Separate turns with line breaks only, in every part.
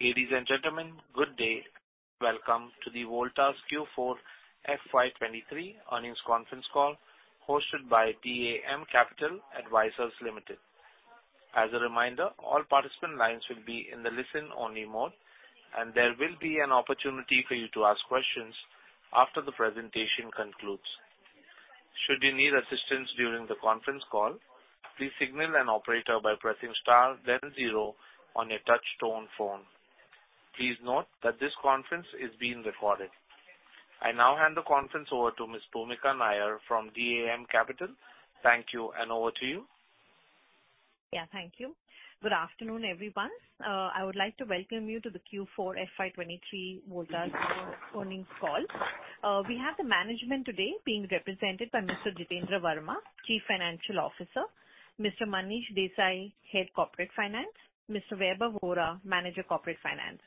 Ladies and gentlemen, good day. Welcome to the Voltas Q4 FY 2023 earnings conference call hosted by DAM Capital Advisors Limited. As a reminder, all participant lines will be in the listen-only mode, and there will be an opportunity for you to ask questions after the presentation concludes. Should you need assistance during the conference call, please signal an operator by pressing Star then Zero on your touch-tone phone. Please note that this conference is being recorded. I now hand the conference over to Ms. Bhoomika Nair from DAM Capital. Thank you, and over to you.
Yeah, thank you. Good afternoon, everyone. I would like to welcome you to the Q4 FY 2023 Voltas' earnings call. We have the management today being represented by Mr. Jitender Verma, Chief Financial Officer, Mr. Manish Desai, Head Corporate Finance, Mr. Vaibhav Vora, Manager Corporate Finance.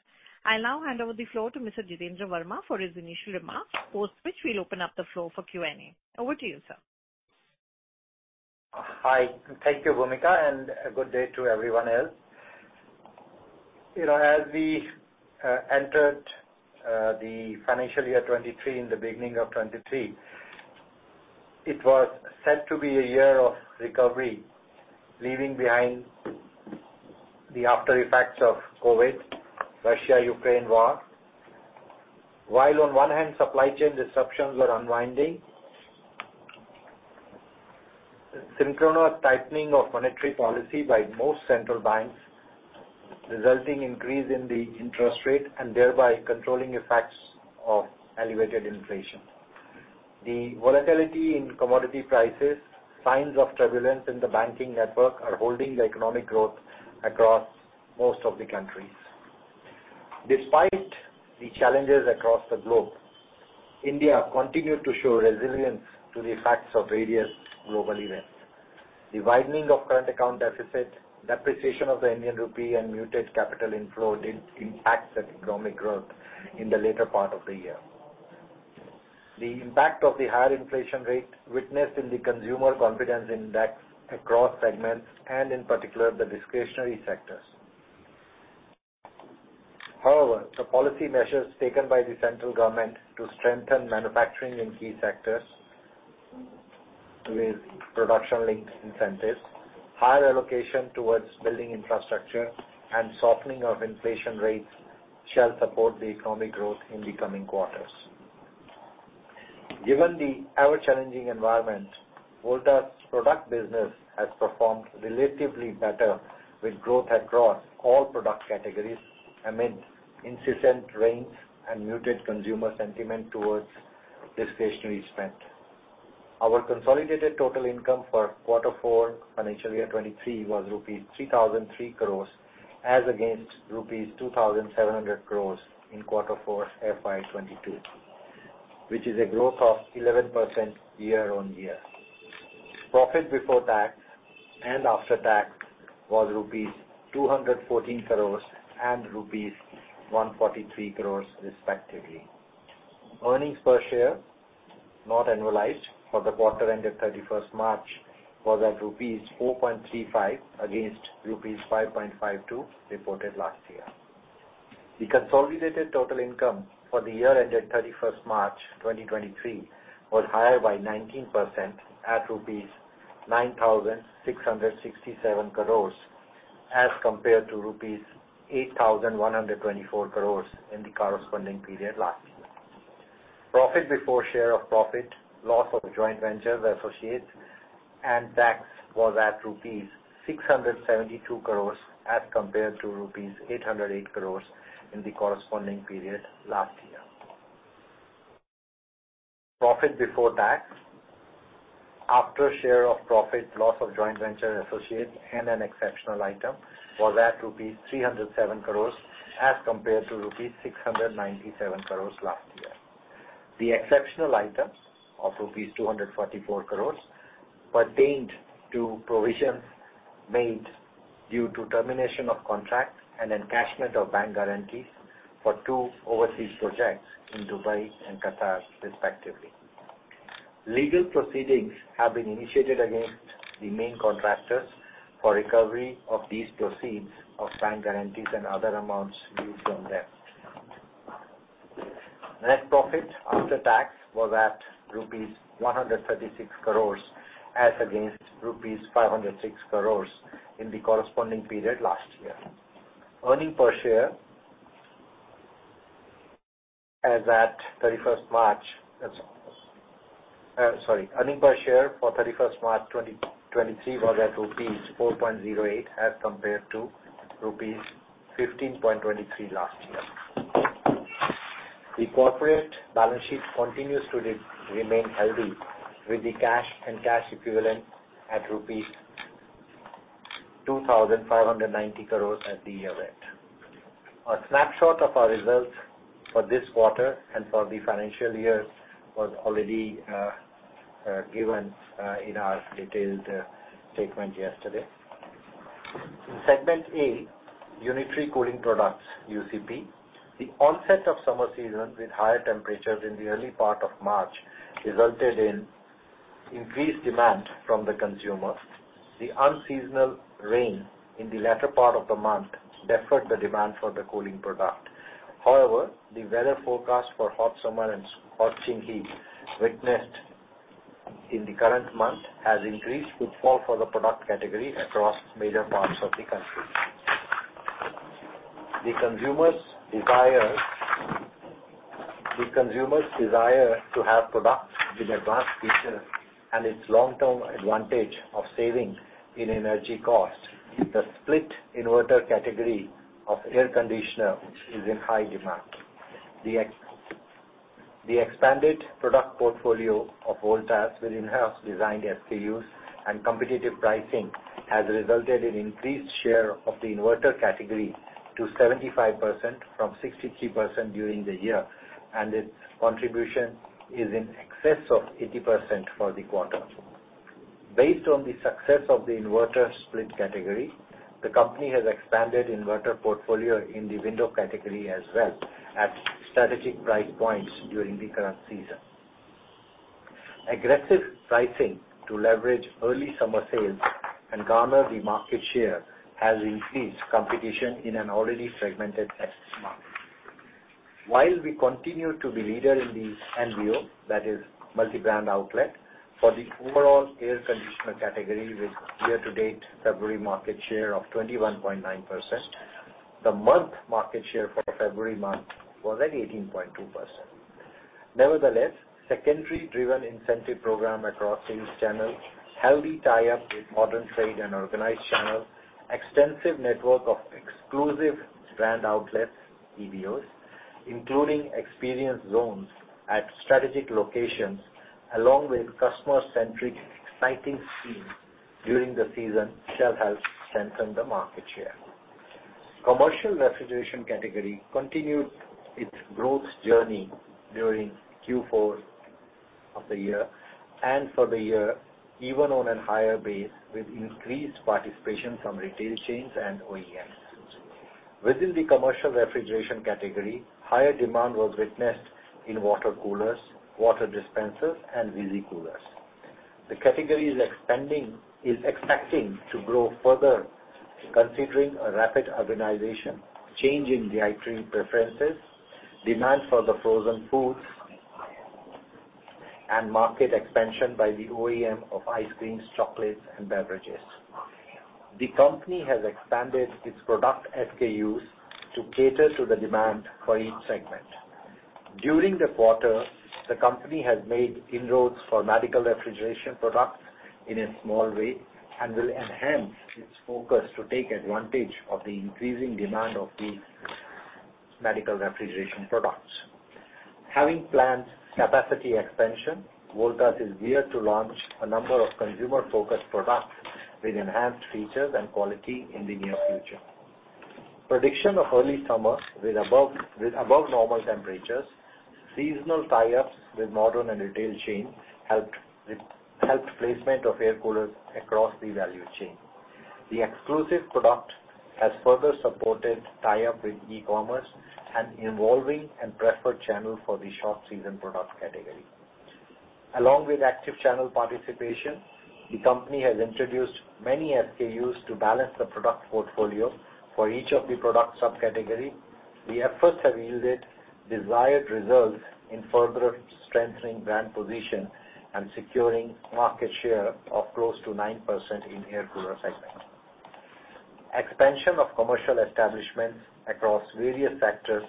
I now hand over the floor to Mr. Jitender Verma for his initial remarks, post which we'll open up the floor for Q&A. Over to you, sir.
Hi. Thank you, Bhoomika, and a good day to everyone else. You know, as we entered the financial year 2023 in the beginning of 2023, it was said to be a year of recovery, leaving behind the after effects of COVID, Russia-Ukraine war. While on one hand supply chain disruptions were unwinding, synchronous tightening of monetary policy by most central banks resulting increase in the interest rate and thereby controlling effects of elevated inflation. The volatility in commodity prices, signs of turbulence in the banking network are holding the economic growth across most of the countries. Despite the challenges across the globe, India continued to show resilience to the effects of various global events. The widening of current account deficit, depreciation of the Indian rupee and muted capital inflow did impact the economic growth in the later part of the year. The impact of the higher inflation rate witnessed in the consumer confidence index across segments and in particular the discretionary sectors. The policy measures taken by the central government to strengthen manufacturing in key sectors with production-linked incentives, higher allocation towards building infrastructure and softening of inflation rates shall support the economic growth in the coming quarters. Given the ever challenging environment, Voltas' product business has performed relatively better with growth across all product categories amid incessant rains and muted consumer sentiment towards discretionary spend. Our consolidated total income for quarter four financial year 2023 was rupees 3,003 crores as against rupees 2,700 crores in quarter four FY 2022, which is a growth of 11% year-on-year. Profit before tax and after tax was rupees 214 crores and rupees 143 crores respectively. Earnings per share, not annualized, for the quarter ended 31st March was at rupees 4.35 against rupees 5.52 reported last year. The consolidated total income for the year ended 31st March 2023 was higher by 19% at rupees 9,667 crores as compared to rupees 8,124 crores in the corresponding period last year. Profit before share of profit, loss of joint ventures, associates and tax was at rupees 672 crores as compared to rupees 808 crores in the corresponding period last year. Profit before tax, after share of profit, loss of joint venture, associates and an exceptional item was at rupees 307 crores as compared to rupees 697 crores last year. The exceptional items of rupees 244 crores pertained to provisions made due to termination of contracts and encashment of bank guarantees for two overseas projects in Dubai and Qatar respectively. Legal proceedings have been initiated against the main contractors for recovery of these proceeds of signed guarantees and other amounts due from them. Net profit after tax was at rupees 136 crores as against rupees 506 crores in the corresponding period last year. Earning per share for 31st March 2023 was at rupees 4.08 as compared to rupees 15.23 last year. The corporate balance sheet continues to remain healthy with the cash and cash equivalent at rupees 2,590 crores at the year end. A snapshot of our results for this quarter and for the financial year was already given in our detailed statement yesterday. In segment A, Unitary Cooling Products, UCP, the onset of summer season with higher temperatures in the early part of March resulted in increased demand from the consumer. The unseasonal rain in the latter part of the month deferred the demand for the cooling product. However, the weather forecast for hot summer and scorching heat witnessed in the current month has increased footfall for the product category across major parts of the country. The consumers desire to have products with advanced features and its long-term advantage of saving in energy costs. The split inverter category of air conditioner is in high demand. The expanded product portfolio of Voltas with in-house designed SKUs and competitive pricing has resulted in increased share of the inverter category to 75% from 63% during the year, and its contribution is in excess of 80% for the quarter. Based on the success of the inverter split category, the company has expanded inverter portfolio in the window category as well at strategic price points during the current season. Aggressive pricing to leverage early summer sales and garner the market share has increased competition in an already fragmented market. While we continue to be leader in the MBO, that is multi-brand outlet, for the overall air conditioner category with year-to-date February market share of 21.9%, the month market share for February month was at 18.2%. Nevertheless, secondary driven incentive program across sales channels, healthy tie-up with modern trade and organized channels, extensive network of exclusive brand outlets, EBOs, including experience zones at strategic locations, along with customer-centric exciting schemes during the season shall help strengthen the market share. Commercial refrigeration category continued its growth journey during Q4 of the year and for the year, even on a higher base with increased participation from retail chains and OEMs. Within the commercial refrigeration category, higher demand was witnessed in water coolers, water dispensers and Visi Coolers. The category is expecting to grow further considering a rapid urbanization, change in dietary preferences, demand for the frozen foods, and market expansion by the OEM of ice creams, chocolates and beverages. The company has expanded its product SKUs to cater to the demand for each segment. During the quarter, the company has made inroads for medical refrigeration products in a small way and will enhance its focus to take advantage of the increasing demand of these medical refrigeration products. Having planned capacity expansion, Voltas is geared to launch a number of consumer-focused products with enhanced features and quality in the near future. Prediction of early summer with above normal temperatures, seasonal tie-ups with modern and retail chains helped placement of air coolers across the value chain. The exclusive product has further supported tie-up with e-commerce, an evolving and preferred channel for the short season product category. Along with active channel participation, the company has introduced many SKUs to balance the product portfolio for each of the product subcategory. The efforts have yielded desired results in further strengthening brand position and securing market share of close to 9% in air cooler segment. Expansion of commercial establishments across various sectors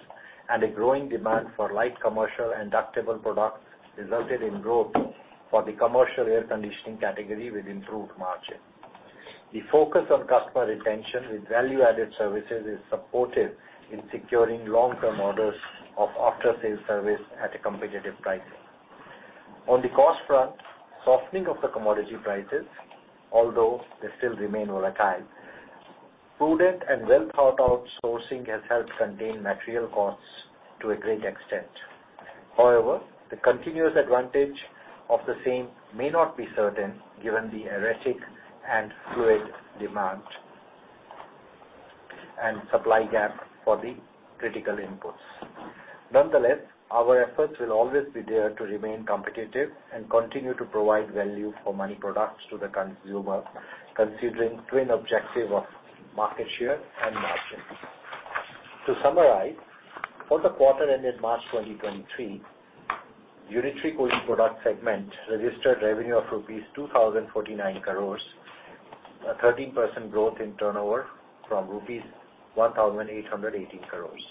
and a growing demand for light commercial and ductable products resulted in growth for the commercial air conditioning category with improved margin. The focus on customer retention with value-added services is supported in securing long-term orders of after-sales service at a competitive pricing. On the cost front, softening of the commodity prices, although they still remain volatile. Prudent and well-thought-out sourcing has helped contain material costs to a great extent. However, the continuous advantage of the same may not be certain given the erratic and fluid demand and supply gap for the critical inputs. Nonetheless, our efforts will always be there to remain competitive and continue to provide value for money products to the consumer, considering twin objective of market share and margins. To summarize, for the quarter ended March 2023, Unitary Cooling Product segment registered revenue of rupees 2,049 crores, a 13% growth in turnover from rupees 1,818 crores.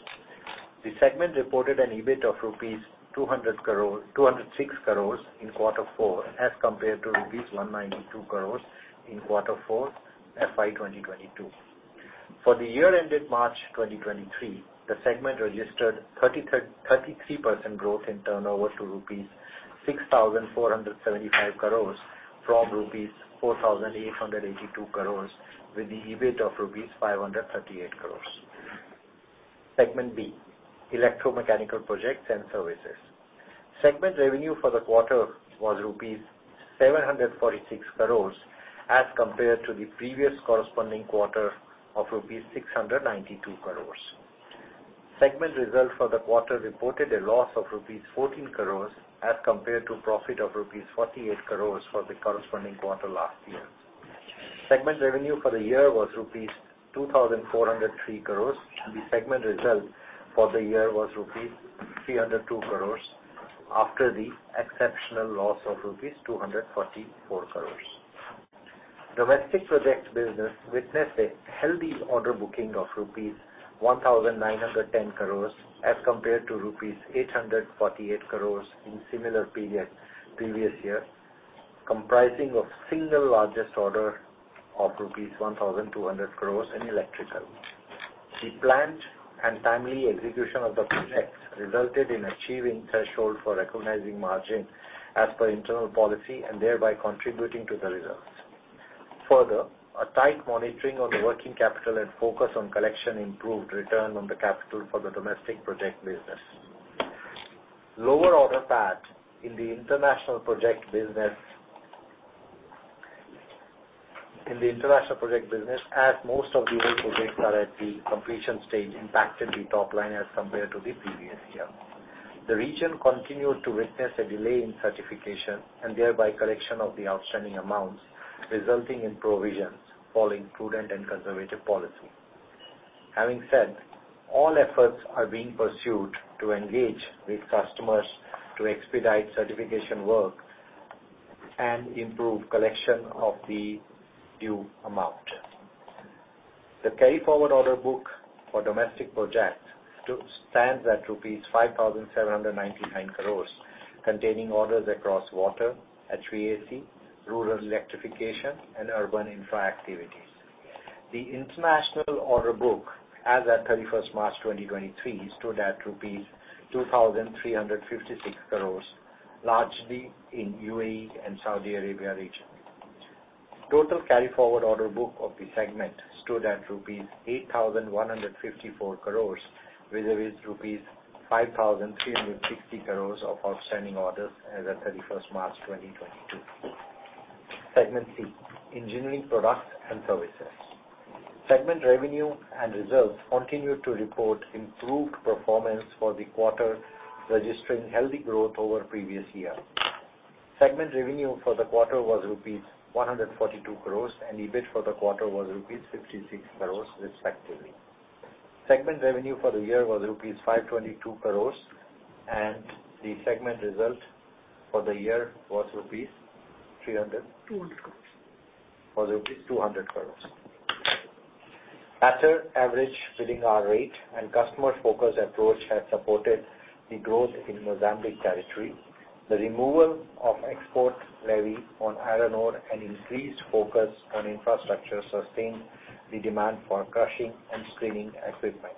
The segment reported an EBIT of 206 crore in quarter four as compared to rupees 192 crores in quarter four FY 2022. For the year ended March 2023, the segment registered 33% growth in turnover to rupees 6,475 crores from rupees 4,882 crores with the EBIT of rupees 538 crores. Segment B, Electromechanical Projects and Services. Segment revenue for the quarter was rupees 746 crores as compared to the previous corresponding quarter of rupees 692 crores. Segment result for the quarter reported a loss of rupees 14 crores as compared to profit of rupees 48 crores for the corresponding quarter last year. Segment revenue for the year was rupees 2,403 crores, and the segment result for the year was rupees 302 crores after the exceptional loss of rupees 244 crores. Domestic projects business witnessed a healthy order booking of rupees 1,910 crores as compared to rupees 848 crores in similar period previous year, comprising of single largest order of rupees 1,200 crores in electrical. The planned and timely execution of the projects resulted in achieving threshold for recognizing margin as per internal policy and thereby contributing to the results. Further, a tight monitoring on the working capital and focus on collection improved return on the capital for the domestic project business. Lower order path in the international project business as most of the old projects are at the completion stage impacted the top line as compared to the previous year. The region continued to witness a delay in certification and thereby collection of the outstanding amounts resulting in provisions following prudent and conservative policy. Having said, all efforts are being pursued to engage with customers to expedite certification work and improve collection of the due amount. The carry-forward order book for domestic projects stands at rupees 5,799 crores, containing orders across water, HVAC, rural electrification and urban infra activities. The international order book as at March 31st, 2023 stood at INR 2,356 crores, largely in UAE and Saudi Arabia region. Total carry-forward order book of the segment stood at rupees 8,154 crores, vis-à-vis rupees 5,360 crores of outstanding orders as at March 31st, 2022. Segment C, engineering products and services. Segment revenue and results continued to report improved performance for the quarter, registering healthy growth over previous year. Segment revenue for the quarter was rupees 142 crores, and EBIT for the quarter was rupees 56 crores respectively. Segment revenue for the year was rupees 522 crores, and the segment result for the year was rupees 300 crores?
200 crores rupees.
Was rupees 200 crore. After average bidding hour rate and customer focus approach has supported the growth in Mozambique territory, the removal of export levy on iron ore and increased focus on infrastructure sustained the demand for crushing and screening equipment.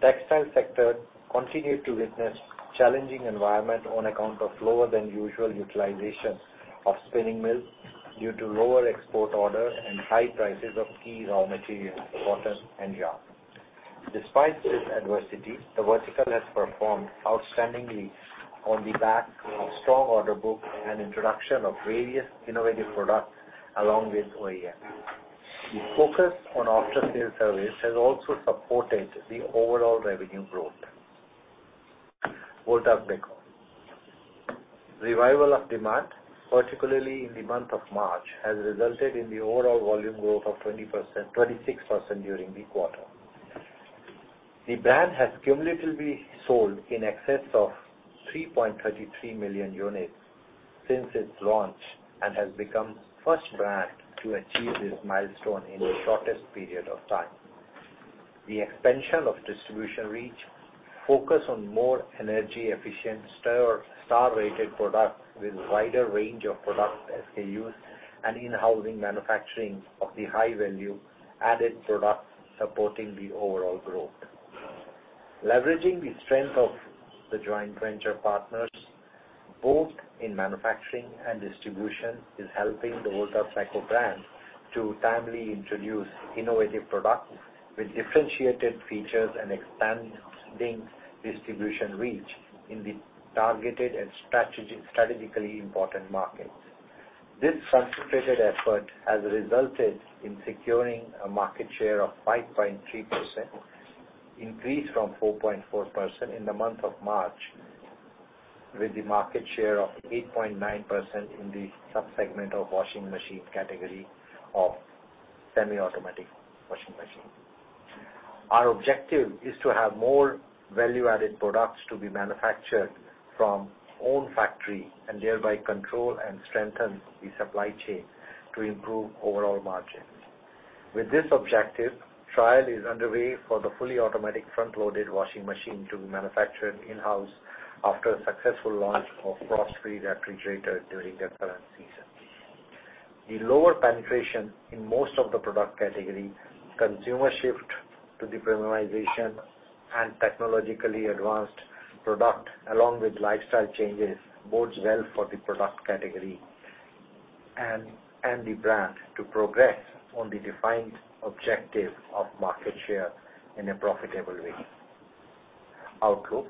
Textile sector continued to witness challenging environment on account of lower than usual utilization of spinning mills due to lower export orders and high prices of key raw materials, cotton and yarn. Despite this adversity, the vertical has performed outstandingly on the back of strong order book and introduction of various innovative products along with OEM. The focus on after-sale service has also supported the overall revenue growth. Voltas Beko. Revival of demand, particularly in the month of March, has resulted in the overall volume growth of 26% during the quarter. The brand has cumulatively sold in excess of 3.33 million units since its launch and has become first brand to achieve this milestone in the shortest period of time. The expansion of distribution reach, focus on more energy efficient star-rated products with wider range of product SKUs and in-housing manufacturing of the high value added products supporting the overall growth. Leveraging the strength of the joint venture partners, both in manufacturing and distribution, is helping the Voltas Beko brand to timely introduce innovative products with differentiated features and expanding distribution reach in the targeted and strategically important markets. This concentrated effort has resulted in securing a market share of 5.3%, increased from 4.4% in the month of March, with the market share of 8.9% in the subsegment of washing machine category of semiautomatic washing machine. Our objective is to have more value-added products to be manufactured from own factory and thereby control and strengthen the supply chain to improve overall margin. With this objective, trial is underway for the fully automatic front-loaded washing machine to be manufactured in-house after a successful launch of frost-free refrigerator during the current season. The lower penetration in most of the product category, consumer shift to the premiumization and technologically advanced product along with lifestyle changes bodes well for the product category and the brand to progress on the defined objective of market share in a profitable way. Outlook.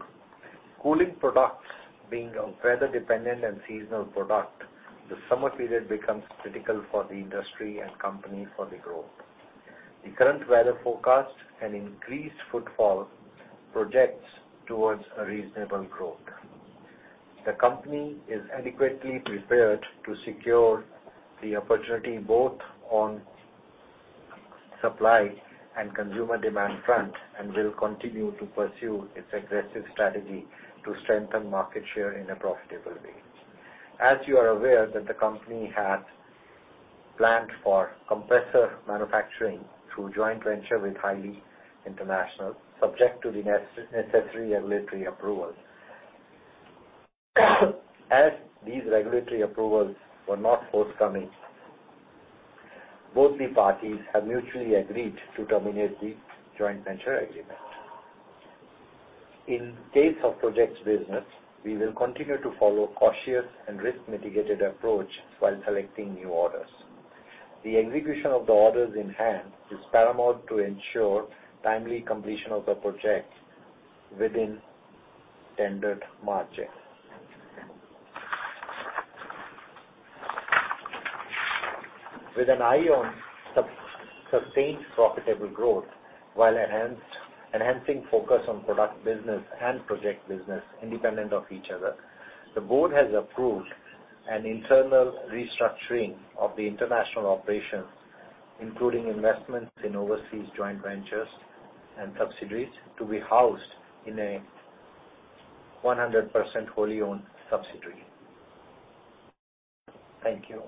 Cooling products being a weather dependent and seasonal product, the summer period becomes critical for the industry and company for the growth. The current weather forecast and increased footfall projects towards a reasonable growth. The company is adequately prepared to secure the opportunity both on supply and consumer demand front, and will continue to pursue its aggressive strategy to strengthen market share in a profitable way. As you are aware that the company had planned for compressor manufacturing through joint venture with Highly International, subject to the necessary regulatory approval. As these regulatory approvals were not forthcoming, both the parties have mutually agreed to terminate the joint venture agreement. In case of projects business, we will continue to follow cautious and risk mitigated approach while collecting new orders. The execution of the orders in hand is paramount to ensure timely completion of the project within tendered margin. With an eye on sustained profitable growth, while enhancing focus on product business and project business independent of each other, the board has approved an internal restructuring of the international operations, including investments in overseas joint ventures and subsidiaries to be housed in a 100% wholly owned subsidiary. Thank you.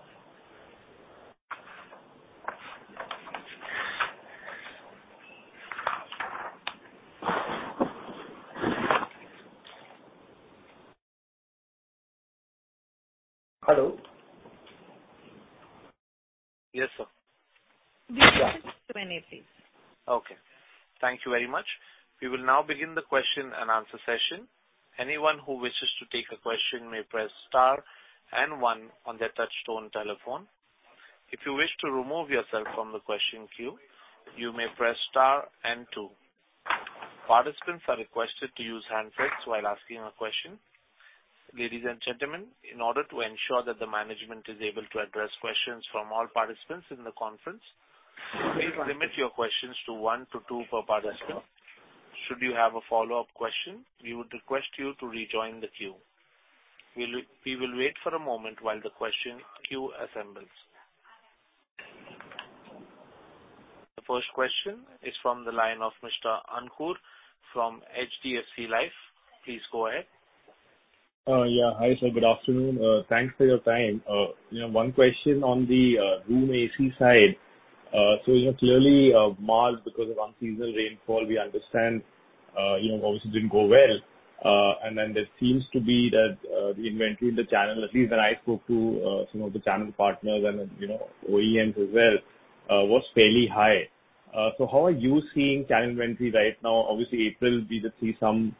Hello.
Yes, sir.
Yeah.
Okay. Thank you very much. We will now begin the question and answer session. Anyone who wishes to take a question may press Star and One on their touch tone telephone. If you wish to remove yourself from the question queue, you may press Star and Two. Participants are requested to use handsets while asking a question. Ladies and gentlemen, in order to ensure that the management is able to address questions from all participants in the conference. Please limit your questions to one to two per participant. Should you have a follow-up question, we would request you to rejoin the queue. We will wait for a moment while the question queue assembles. The first question is from the line of Mr. Ankur from HDFC Life. Please go ahead.
Yeah. Hi, sir. Good afternoon. Thanks for your time. You know, one question on the room AC side. You know, clearly, March, because of unseasonal rainfall, we understand, you know, obviously didn't go well. There seems to be that the inventory in the channel, at least when I spoke to some of the channel partners and, you know, OEMs as well, was fairly high. How are you seeing channel inventory right now? Obviously, April we did see some,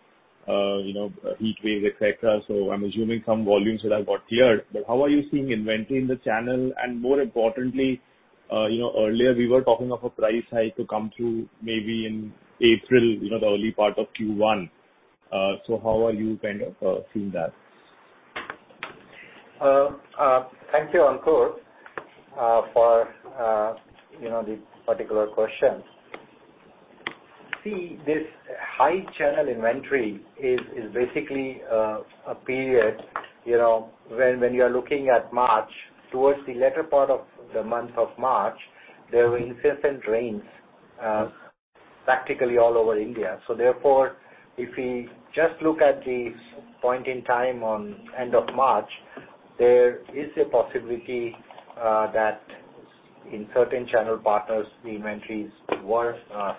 you know, heat waves, et cetera. I'm assuming some volumes would have got cleared. How are you seeing inventory in the channel? More importantly, you know, earlier we were talking of a price hike to come through maybe in April, you know, the early part of Q1. How are you kind of seeing that?
Thank you, Ankur, for, you know, the particular question. See, this high channel inventory is basically, a period, you know, when you are looking at March, towards the latter part of the month of March, there were incessant rains, practically all over India. Therefore, if we just look at the point in time on end of March, there is a possibility, that in certain channel partners, the inventories were,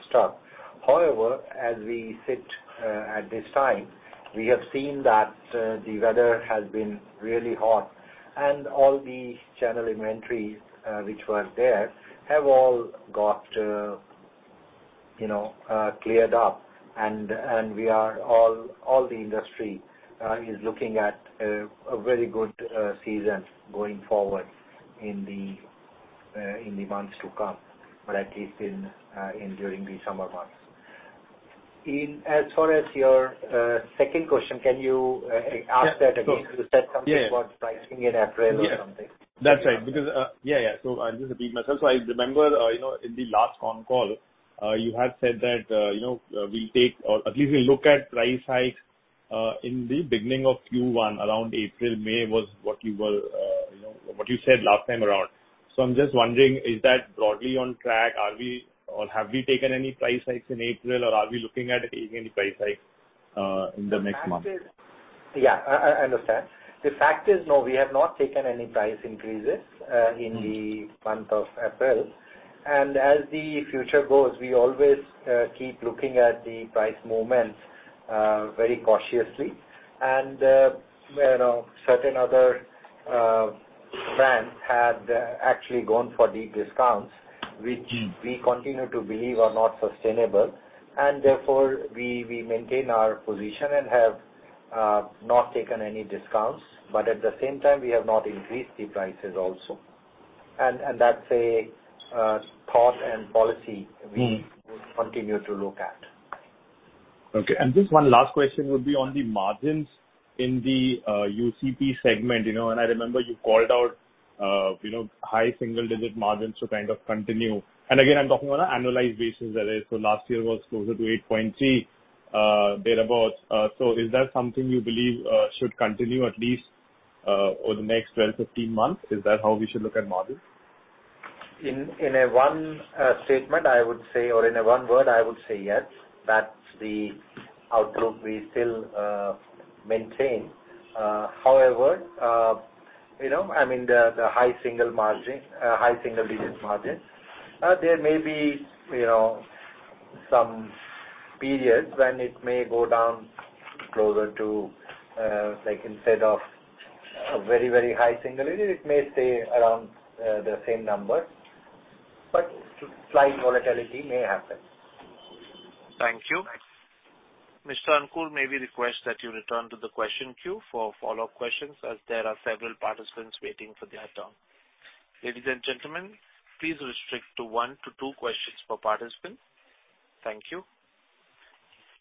stuck. As we sit, at this time, we have seen that, the weather has been really hot, and all the channel inventories, which were there have all got, you know, cleared up. We are all the industry, is looking at a very good season going forward in the months to come, or at least in during the summer months. As far as your second question, can you ask that again?
Yeah, sure.
You said something about.
Yeah, yeah.
pricing in April or something.
Yeah. That's right. Because... Yeah, yeah. I'll just repeat myself. I remember, you know, in the last con call, you had said that, you know, we'll take or at least we'll look at price hikes in the beginning of Q1, around April, May was what you were, you know, what you said last time around. I'm just wondering, is that broadly on track? Are we or have we taken any price hikes in April or are we looking at taking any price hikes in the next month?
The fact is. Yeah. I understand. The fact is, no, we have not taken any price increases in the month of April. As the future goes, we always keep looking at the price movements very cautiously. You know, certain other brands have actually gone for deep discounts, which we continue to believe are not sustainable. Therefore, we maintain our position and have not taken any discounts. At the same time, we have not increased the prices also. That's a thought and policy, we will continue to look at.
Okay. Just one last question would be on the margins in the UCP segment, you know. I remember you called out, you know, high single-digit margins to kind of continue. Again, I'm talking on an annualized basis that is. Last year was closer to 8.3%, thereabout. Is that something you believe should continue at least over the next 12, 15 months? Is that how we should look at margins?
In a one statement I would say or in a one word I would say, yes, that's the outlook we still maintain. However, you know, I mean the high single margin, high single-digit margins, there may be, you know, some periods when it may go down closer to, like instead of a very, very high single digit, it may stay around the same number. Slight volatility may happen.
Thank you. Mr. Ankur, may we request that you return to the question queue for follow-up questions as there are several participants waiting for their turn. Ladies and gentlemen, please restrict to one to two questions per participant. Thank you.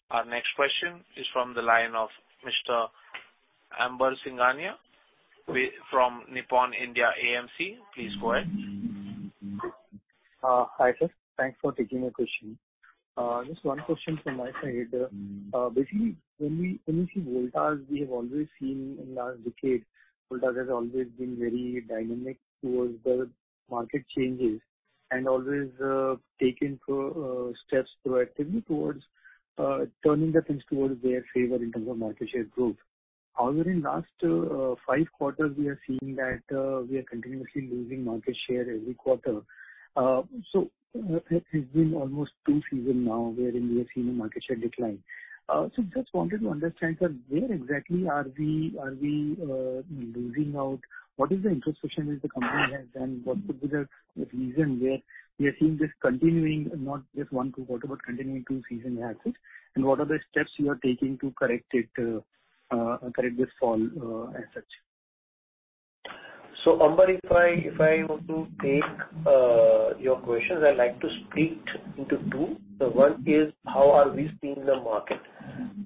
Our next question is from the line of Mr. Amber Singhania from Nippon India AMC. Please go ahead.
Thanks for taking the question. Just one question from my side. Basically, when we see Voltas, we have always seen in last decade, Voltas has always been very dynamic towards the market changes and always taken steps proactively towards turning the things towards their favor in terms of market share growth. However, in last five quarters, we are seeing that we are continuously losing market share every quarter. It's been almost two season now wherein we are seeing a market share decline. Just wanted to understand, sir, where exactly are we losing out? What is the introspection that the company has and what could be the reason where we are seeing this continuing, not just one quarter, but continuing two season it happens, and what are the steps you are taking to correct it, correct this fall, as such?
Amber, if I want to take your questions, I'd like to split into two. One is how are we seeing the market?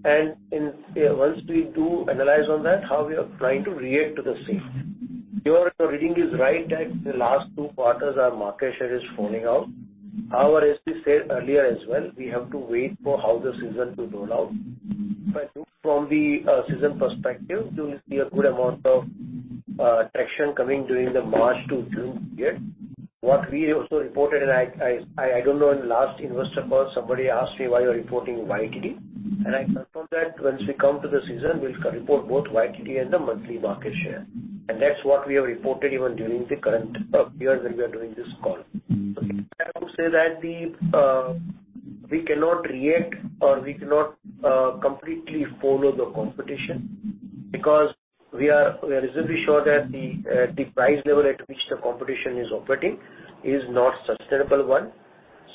Once we do analyze on that, how we are trying to react to the same. Your reading is right that the last two quarters our market share is falling out. As we said earlier as well, we have to wait for how the season to roll out. From the season perspective, you will see a good amount of traction coming during the March to June period. What we also reported, I don't know in the last investor call, somebody asked me why you're reporting YTD. I confirmed that once we come to the season we'll report both YTD and the monthly market share. That's what we have reported even during the current year when we are doing this call. I would say that the, we cannot react or we cannot completely follow the competition because we are reasonably sure that the price level at which the competition is operating is not sustainable one.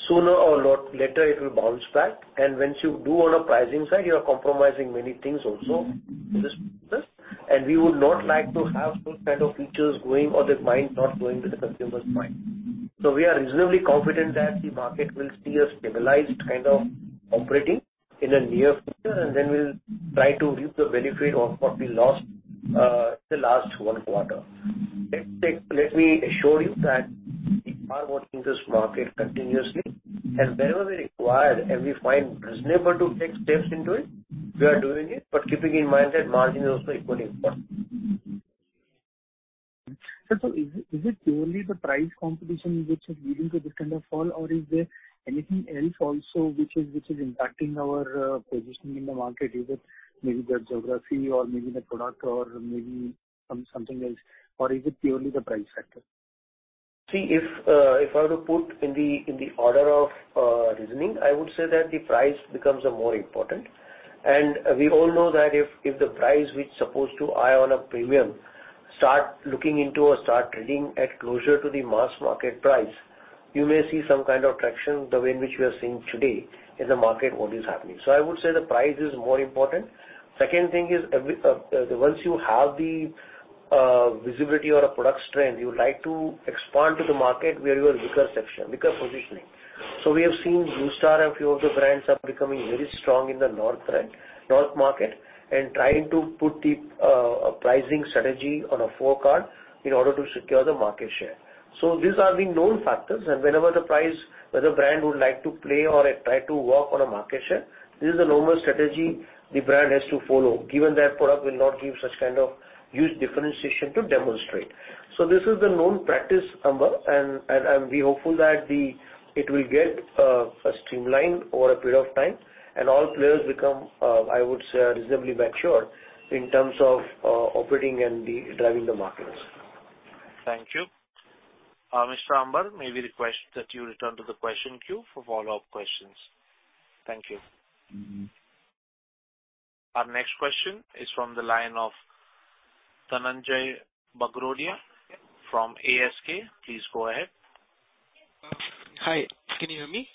Sooner or later it will bounce back. Once you do on a pricing side, you are compromising many things also in this process. We would not like to have those kind of features going or that mind not going to the consumer's mind. We are reasonably confident that the market will see a stabilized kind of operating in the near future, and then we'll try to reap the benefit of what we lost, the last one quarter. Let me assure you that we are working this market continuously. Wherever we're required and we find reasonable to take steps into it, we are doing it, keeping in mind that margin is also equally important.
Sir, is it purely the price competition which is leading to this kind of fall or is there anything else also which is impacting our positioning in the market? Is it maybe the geography or maybe the product or maybe something else, or is it purely the price factor?
See, if I were to put in the order of reasoning, I would say that the price becomes a more important. We all know that if the price which supposed to eye on a premium start looking into or start trading at closer to the mass market price, you may see some kind of traction the way in which we are seeing today in the market what is happening. I would say the price is more important. Second thing is every once you have the visibility or a product strength, you would like to expand to the market where you have weaker section, weaker positioning. We have seen Blue Star and few of the brands are becoming very strong in the north trend, north market and trying to put the pricing strategy on a forecourt in order to secure the market share. These are the known factors and whenever the price, whether brand would like to play or try to work on a market share, this is a normal strategy the brand has to follow, given their product will not give such kind of huge differentiation to demonstrate. This is the known practice, Amber, and we're hopeful that it will get streamlined over a period of time and all players become I would say reasonably mature in terms of operating and the driving the markets.
Thank you. Mr. Amber, may we request that you return to the question queue for follow-up questions. Thank you. Our next question is from the line of Dhananjai Bagrodia from ASK. Please go ahead.
Hi, can you hear me?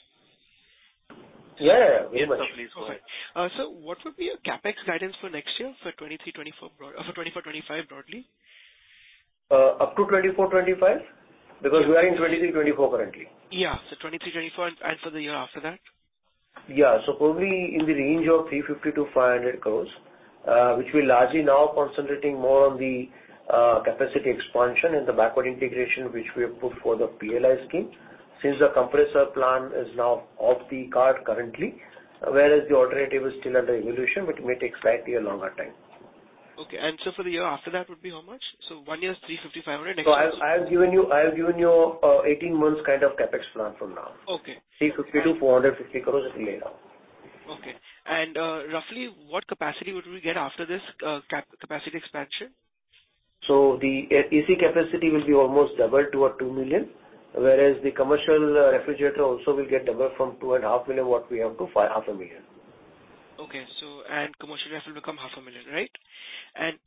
Yeah, yeah. Very much.
Yes, sir. Please go ahead. Sir, what would be your CapEx guidance for next year for 2024, 2025 broadly?
up to 2024, 2025, because we are in 2023, 2024 currently.
Yeah. 2023, 2024, and for the year after that.
Yeah. Probably in the range of 350 crores-500 crores, which we're largely now concentrating more on the capacity expansion and the backward integration which we have put for the PLI scheme. Since the compressor plant is now off the card currently, whereas the alternative is still under evaluation, which may take slightly a longer time.
Okay. For the year after that would be how much? One year is 350, 500, next year...
I've given you 18 months kind of CapEx plan from now.
Okay.
350 crores-450 crores at the layout.
Okay. roughly what capacity would we get after this capacity expansion?
The AC capacity will be almost double to two million, whereas the commercial refrigerator also will get double from two and a half million what we have to 500,000.
Okay. Commercial ref will become half a million, right?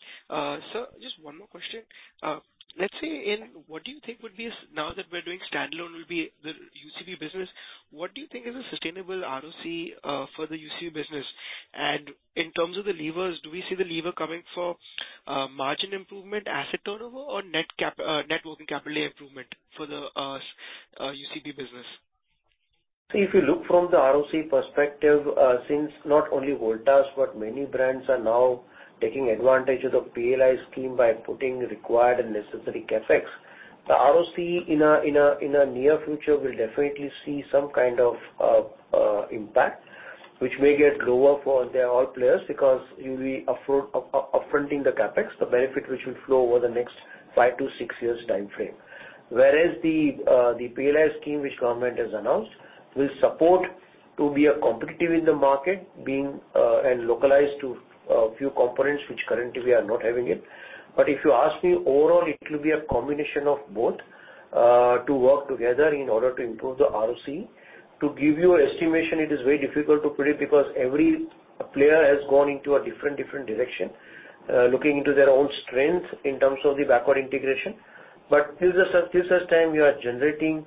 Sir, just one more question. Let's say in what do you think would be now that we're doing standalone will be the UCP business, what do you think is a sustainable ROC for the UCP business? In terms of the levers, do we see the lever coming for margin improvement, asset turnover or net working capital improvement for the UCP business?
See, if you look from the ROC perspective, since not only Voltas but many brands are now taking advantage of the PLI scheme by putting required and necessary CapEx. The ROC in a near future will definitely see some kind of impact which may get lower for their all players because you'll be up fronting the CapEx, the benefit which will flow over the next five to six years timeframe. Whereas the PLI scheme which government has announced will support to be a competitive in the market being and localized to a few components which currently we are not having it. If you ask me overall, it will be a combination of both to work together in order to improve the ROC. To give you estimation, it is very difficult to predict because every player has gone into a different direction, looking into their own strengths in terms of the backward integration. Till such time you are generating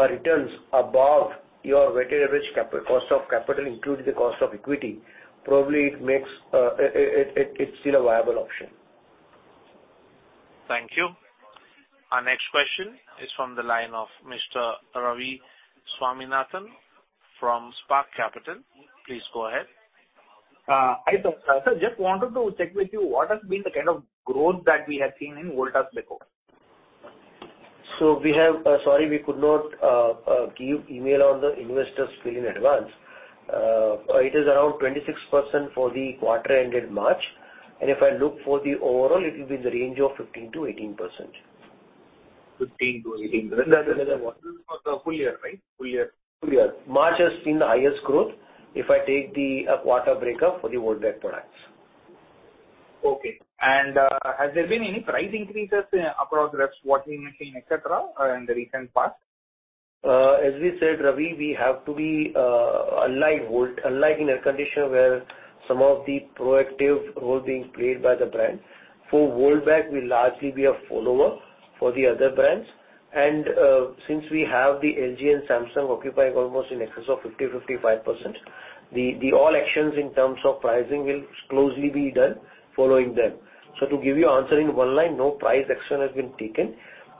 returns above your weighted average capital, cost of capital, including the cost of equity, probably it makes it's still a viable option.
Thank you. Our next question is from the line of Mr. Ravi Swaminathan from Spark Capital. Please go ahead.
Hi, sir. Sir, just wanted to check with you what has been the kind of growth that we have seen in Voltas back home.
Sorry, we could not give email on the investors field in advance. It is around 26% for the quarter ended March. If I look for the overall, it will be in the range of 15%-18%.
15% to 18%. For the full year, right? Full year.
Full year. March has seen the highest growth, if I take the, quarter breakup for the Voltas products.
Okay. Has there been any price increases across refs, washing machine, et cetera, in the recent past?
As we said, Ravi, we have to be unlike in air conditioner where some of the proactive role being played by the brand. For Voltbek will largely be a follower for the other brands. Since we have the LG and Samsung occupying almost in excess of 50% to 55%, the all actions in terms of pricing will closely be done following them. To give you answer in one line, no price action has been taken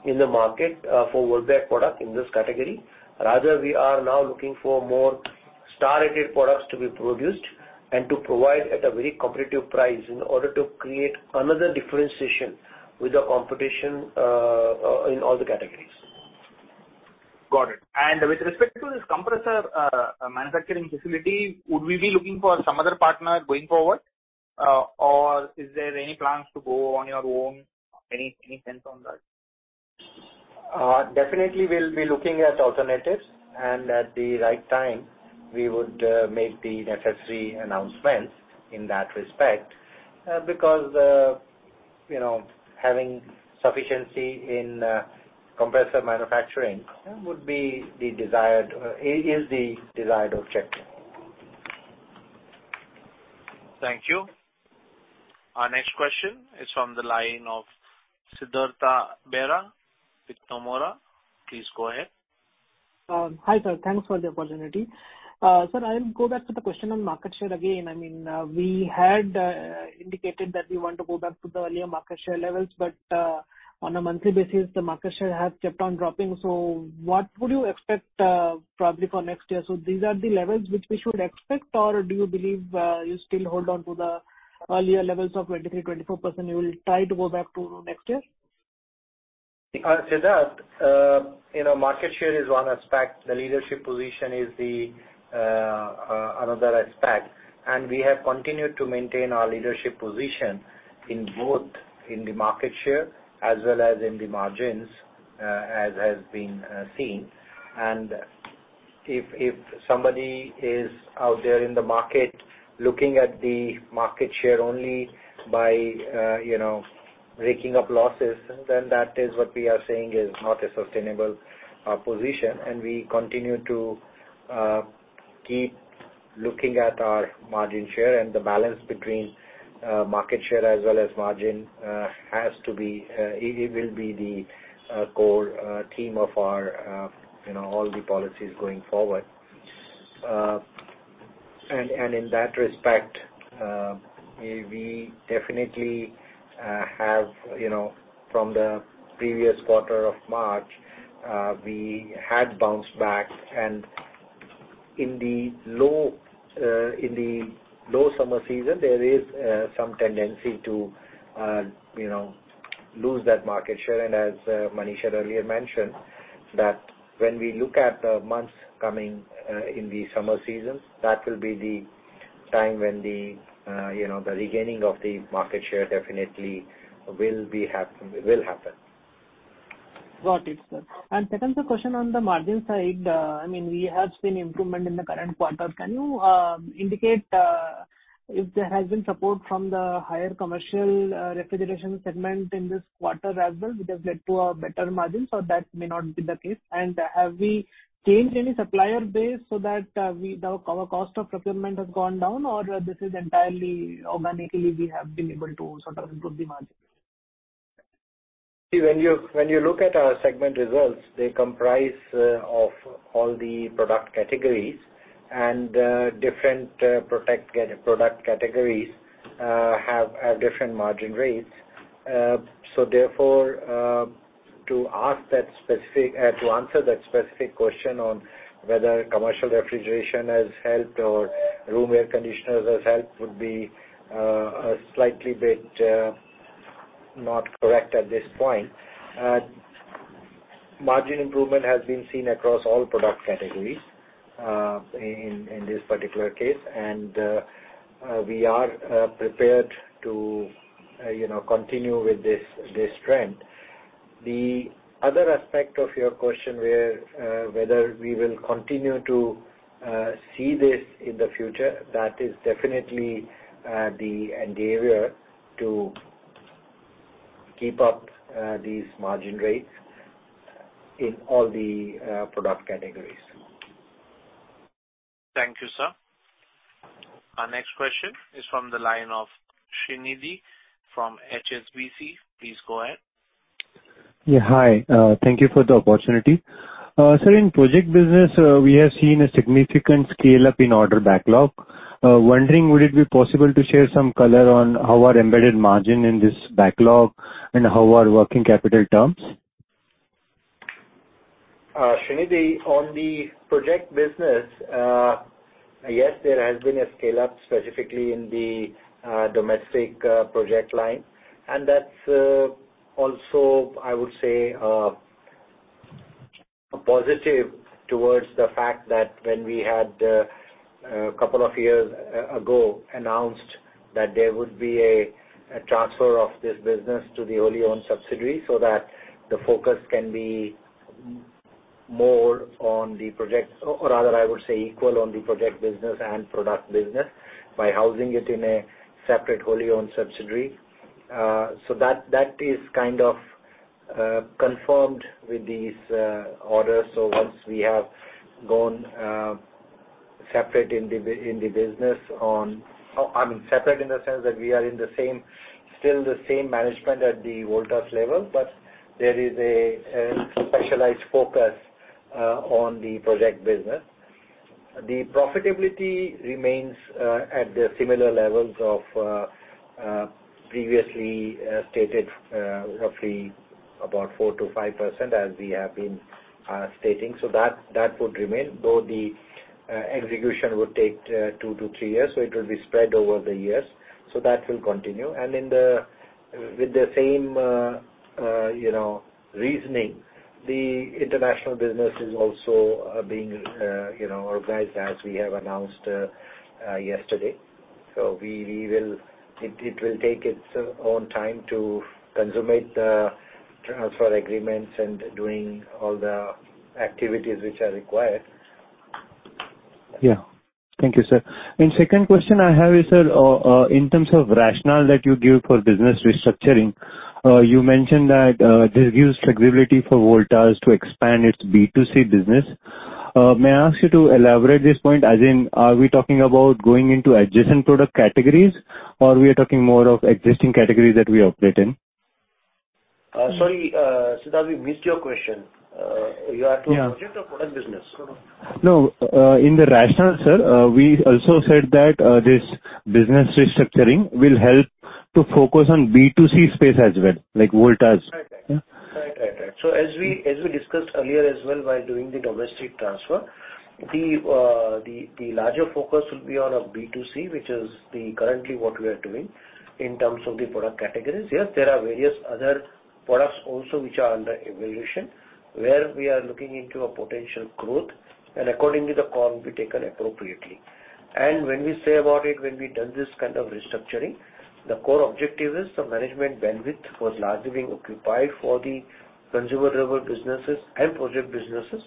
in the market for Voltbek product in this category. Rather, we are now looking for more star-rated products to be produced and to provide at a very competitive price in order to create another differentiation with the competition in all the categories.
Got it. With respect to this compressor, manufacturing facility, would we be looking for some other partner going forward, or is there any plans togo on your own? Any sense on that?
Definitely we'll be looking at alternatives and at the right time we would make the necessary announcements in that respect, because, you know, having sufficiency in compressor manufacturing would be the desired, is the desired objective.
Thank you. Our next question is from the line of Siddhartha Bera with Nomura. Please go ahead.
Hi sir. Thanks for the opportunity. Sir, I'll go back to the question on market share again. I mean, we had indicated that we want to go back to the earlier market share levels, but on a monthly basis, the market share has kept on dropping. What would you expect, probably for next year? These are the levels which we should expect, or do you believe, you still hold on to the earlier levels of 23%-24%, you will try to go back to next year?
Siddhartha, you know, market share is one aspect. The leadership position is the another aspect. We have continued to maintain our leadership position in both in the market share as well as in the margins, as has been seen. If somebody is out there in the market looking at the market share only by, you know, raking up losses, then that is what we are saying is not a sustainable position, we continue to keep. Looking at our margin share and the balance between market share as well as margin has to be, it will be the core theme of our, you know, all the policies going forward. In that respect, we definitely have, you know, from the previous quarter of March, we had bounced back. In the low, in the low summer season, there is some tendency to, you know, lose that market share. As Manish had earlier mentioned, that when we look at the months coming in the summer seasons, that will be the time when the, you know, the regaining of the market share definitely will happen.
Got it, sir. Second question on the margin side. I mean, we have seen improvement in the current quarter. Can you indicate if there has been support from the higher commercial refrigeration segment in this quarter as well, which has led to a better margin, so that may not be the case? Have we changed any supplier base so that, the cost of procurement has gone down or this is entirely organically, we have been able to sort of improve the margin?
See, when you look at our segment results, they comprise of all the product categories, and different product categories have different margin rates. Therefore, to answer that specific question on whether commercial refrigeration has helped or room air conditioners has helped would be a slightly bit not correct at this point. Margin improvement has been seen across all product categories in this particular case, and we are prepared to, you know, continue with this trend. The other aspect of your question where whether we will continue to see this in the future, that is definitely the endeavor to keep up these margin rates in all the product categories.
Thank you, sir. Our next question is from the line of Srinidhi from HSBC. Please go ahead.
Hi. Thank you for the opportunity. Sir, in project business, we have seen a significant scale-up in order backlog. Wondering would it be possible to share some color on how our embedded margin in this backlog and how our working capital terms?
Srinidhi, on the project business, yes, there has been a scale-up specifically in the domestic project line. That's also, I would say, a positive towards the fact that when we had a couple of years ago, announced that there would be a transfer of this business to the wholly owned subsidiary so that the focus can be more on the project, or rather I would say equal on the project business and product business by housing it in a separate wholly owned subsidiary. That, that is kind of confirmed with these orders. Once we have gone separate in the business on... I mean, separate in the sense that we are in the same, still the same management at the Voltas level, but there is a specialized focus on the project business. The profitability remains at the similar levels of previously stated roughly about 4%-5% as we have been stating. That would remain, though the execution would take two to three years, so it will be spread over the years. That will continue. With the same, you know, reasoning, the international business is also being, you know, organized as we have announced yesterday. It will take its own time to consummate the transfer agreements and doing all the activities which are required.
Yeah. Thank you, sir. Second question I have is, sir, in terms of rationale that you give for business restructuring, you mentioned that this gives flexibility for Voltas to expand its B2C business. May I ask you to elaborate this point, as in, are we talking about going into adjacent product categories or we are talking more of existing categories that we operate in?
Sorry, Srinidhi, missed your question. You are talking project or product business?
No. In the rationale, sir, we also said that this business restructuring will help to focus on B2C space as well, like Voltas.
Right. Right. Right. As we discussed earlier as well, while doing the domestic transfer, the larger focus will be on a B2C, which is the currently what we are doing in terms of the product categories. Yes, there are various other products also which are under evaluation, where we are looking into a potential growth and accordingly the call will be taken appropriately. When we say about it, when we done this kind of restructuring, the core objective is the management bandwidth was largely being occupied for the consumer durable businesses and project businesses.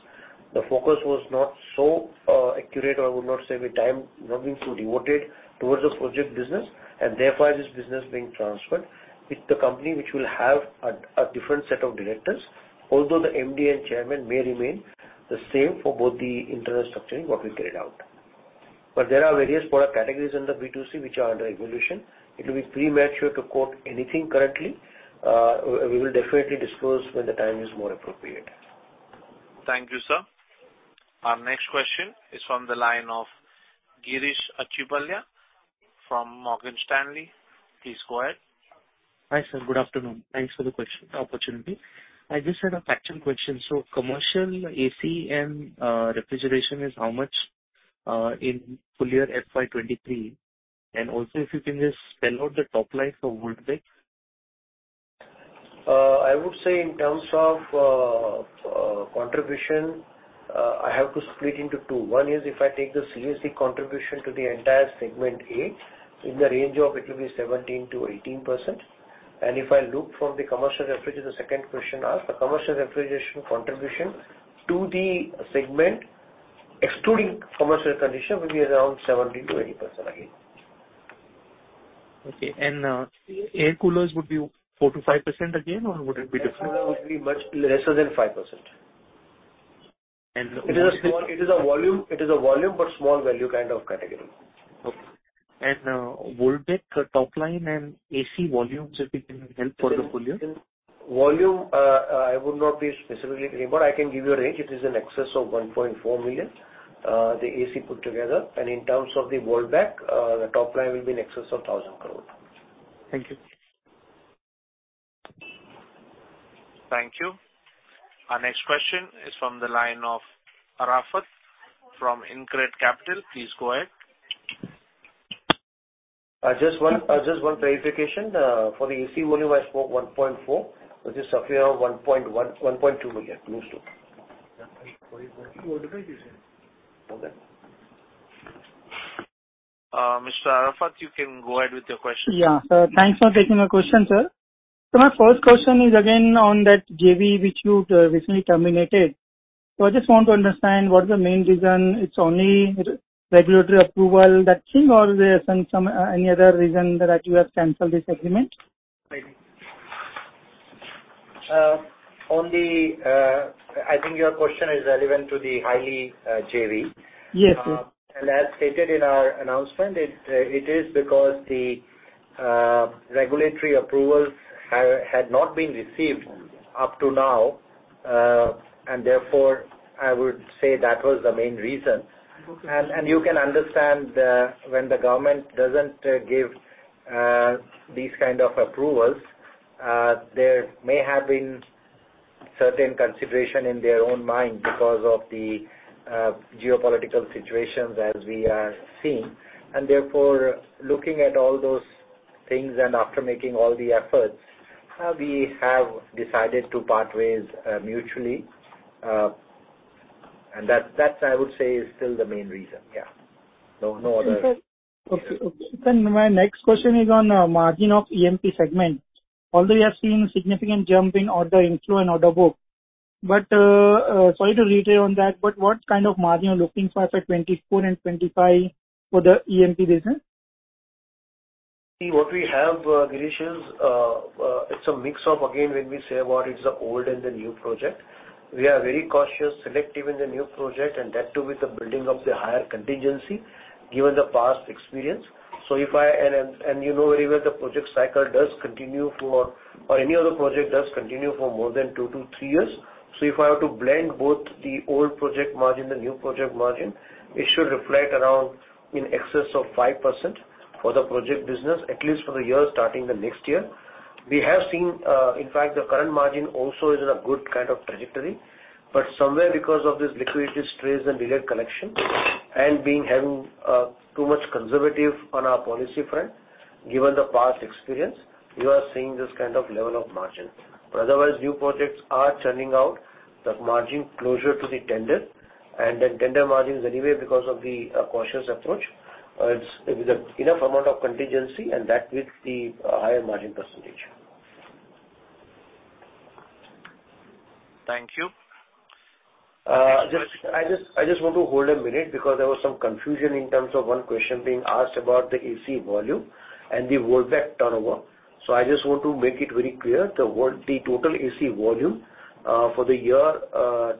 The focus was not so accurate, I would not say, with time not being so devoted towards the project business, and therefore this business being transferred with the company which will have a different set of directors, although the MD and chaiman may remain the same for both the internal structuring what we carried out. There are various product categories in the B2C which are under evolution. It will be premature to quote anything currently. We will definitely disc lose when the time is more appropriate.
Thank you, sir. Our next question is from the line of Girish Achhipalia from Morgan Stanley. Please go ahead.
Hi, sir. Good afternoon. Thanks for the opportunity. I just had a factual question. Commercial AC and refrigeration is how much in full year FY 2023? Also if you can just spell out the top line for Voltas.
I would say in terms of contribution, I have to split into two. One is if I take the CAC contribution to the entire Segment A, in the range of it will be 17%-18%. If I look from the commercial refrigeration, the second question asked, the commercial refrigeration contribution to the segment, excluding commercial condition, will be around 70%-80% again.
Okay. air coolers would be 4%-5% again, or would it be different?
Air cooler would be much lesser than 5%.
And the-
It is a volume, but small value kind of category.
Okay. Voltas top line and AC volumes, if you can help for the full year.
Volume, I would not be specifically able. I can give you a range. It is in excess of 1.4 million, the AC put together. In terms of the Voltas, the top line will be in excess of 1,000 crore.
Thank you.
Thank you. Our next question is from the line of Arafat from InCred Capital. Please go ahead.
Just one clarification. For the AC volume I spoke 1.4, which is roughly around 1.2 million, close to.
Mr. Arafat, you can go ahead with your question.
Yeah. Thanks for taking my question, sir. My first question is again on that JV which you recently terminated. I just want to understand what is the main reason. It's only regulatory approval, that thing, or there's some any other reason that you have canceled this agreement?
Right. on the, I think your question is relevant to the Haier, JV.
Yes, sir.
As stated in our announcement, it is because the regulatory approvals had not been received up to now, and therefore I would say that was the main reason.
Okay.
You can understand, when the government doesn't give these kind of approvals, there may have been certain consideration in their own mind because of the geopolitical situations as we are seeing. Therefore, looking at all those things and after making all the efforts, we have decided to part ways mutually. That I would say is still the main reason. Yeah. No other-
Okay. Okay. My next question is on margin of EMP segment. Although you have seen significant jump in order inflow and order book, but, sorry to reiterate on that, but what kind of margin you're looking for for 2024 and 2025 for the EMP business?
See, what we have, Girish, it's a mix of again, when we say what is the old and the new project. We are very cautious, selective in the new project and that too with the building of the higher contingency given the past experience. You know very well the project cycle does continue for any other project does continue for more than two to three years. I have to blend both the old project margin and new project margin, it should reflect around in excess of 5% for the project business, at least for the year starting the next year. We have seen, in fact the current margin also is in a good kind of trajectory, but somewhere because of this liquidity stress and delayed collection and being, having, too much conservative on our policy front, given the past experience, you are seeing this kind of level of margin. Otherwise, new projects are churning out the margin closer to the tender and then tender margin is anyway because of the cautious approach. It is an enough amount of contingency and that with the higher margin percentage.
Thank you.
I just want to hold a minute because there was some confusion in terms of one question being asked about the AC volume and the Voltas turnover. I just want to make it very clear, the total AC volume for the year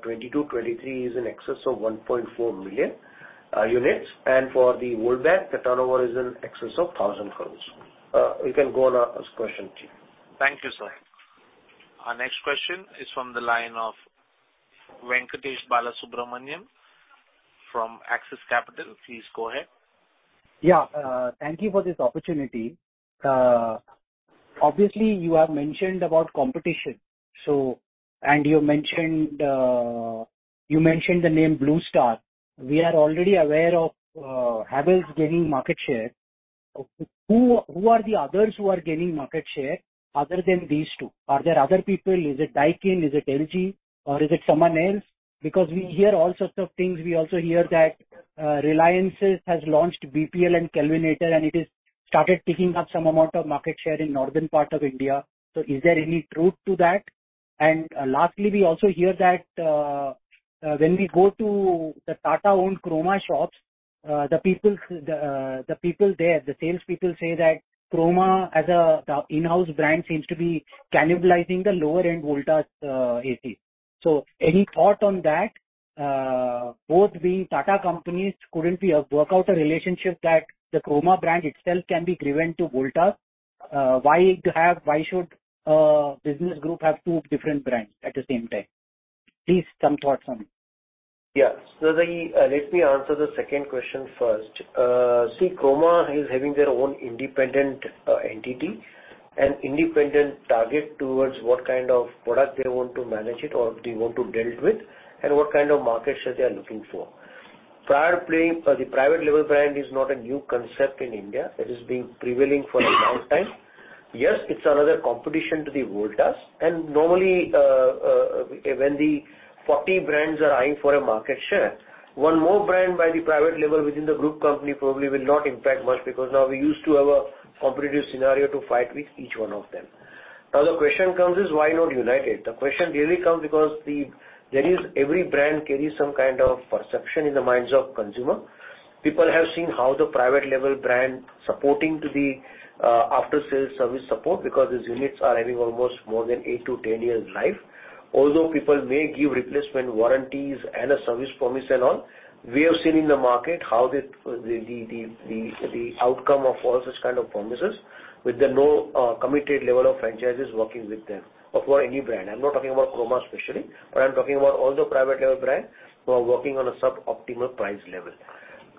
2022-2023 is in excess of 1.4 million units. For the Voltas, the turnover is in excess of 1,000 crores. You can go on ask question.
Thank you, sir. Our next question is from the line of Venkatesh Balasubramaniam from Axis Capital. Please go ahead.
Thank you for this opportunity. Obviously you have mentioned about competition. You mentioned the name Blue Star. We are already aware of Havells gaining market share. Who are the others who are gaining market share other than these two? Are there other people? Is it Daikin? Is it LG? Or is it someone else? Because we hear all sorts of things. We also hear that Reliance's has launched BPL and Kelvinator, and it has started picking up some amount of market share in northern part of India. Is there any truth to that? Lastly, we also hear that when we go to the Tata-owned Croma shops, the people there, the salespeople say that Croma as a, the in-house brand seems to be cannibalizing the lower-end Voltas AC. Any thought on that, both being Tata companies couldn't be work out a relationship that the Croma brand itself can be driven to Voltas. Why should a business group have two different brands at the same time? Please, some thoughts on it.
Let me answer the second question first. See, Croma is having their own independent entity and independent target towards what kind of product they want to manage it or they want to dealt with, and what kind of market share they are looking for. Prior playing, the private label brand is not a new concept in India. It is being prevailing for a long time. Yes, it's another competition to the Voltas. Normally, when the 40 brands are eyeing for a market share, one more brand by the private label within the group company probably will not impact much because now we're used to have a competitive scenario to fight with each one of them. The question comes is why not unite it? The question really comes because there is every brand carries some kind of perception in the minds of consumer. People have seen how the private label brand supporting to the after-sales service support because these units are having almost more than eight to 10 years life. Although people may give replacement warranties and a service promise and all, we have seen in the market how the outcome of all such kind of promises with the no committed level of franchises working with them or for any brand. I'm not talking about Croma especially, but I'm talking about all the private label brand who are working on a sub-optimal price level.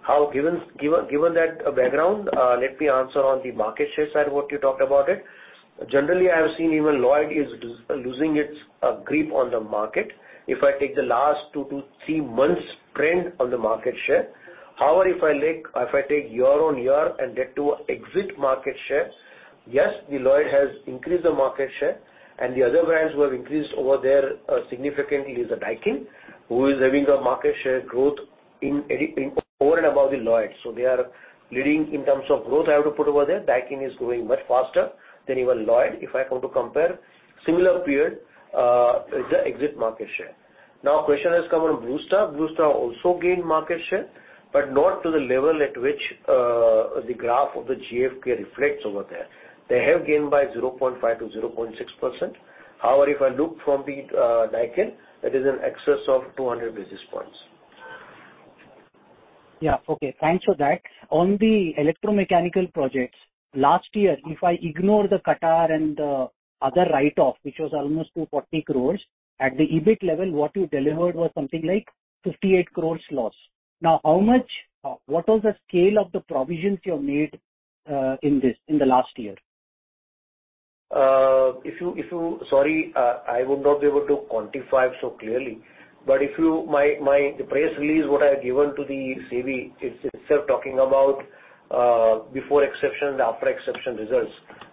How given that background, let me answer on the market share side, what you talked about it. Generally, I have seen even Lloyd is losing its grip on the market. If I take the last two to three months trend on the market share. However, if I like, if I take year-over-year and get to exit market share, yes, the Lloyd has increased the market share and the other brands who have increased over there significantly is the Daikin, who is having the market share growth in any, in over and above the Lloyd. They are leading in terms of growth, I have to put over there. Daikin is growing much faster than even Lloyd, if I have to compare similar period with the exit market share. Question has come on Blue Star. Blue Star also gained market share, but not to the level at which the graph of the GfK reflects over there. They have gained by 0.5%-0.6%. If I look from the Daikin, that is in excess of 200 basis points.
Okay. Thanks for that. On the Electromechanical Projects, last year, if I ignore the Qatar and the other write-off, which was almost 240 crores, at the EBIT level, what you delivered was something like 58 crores loss. How much what was the scale of the provisions you have made in this, in the last year?
Sorry, I would not be able to quantify so clearly. My, the press release what I have given to the BSE is itself talking about, before exception and after exception results.